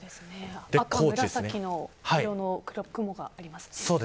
赤紫の色の雲がありますね。